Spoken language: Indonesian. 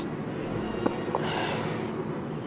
gue udah rapih rapih begini